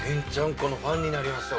このファンになりました